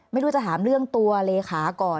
ไม่รู้จะถามเรื่องตัวเลขาก่อน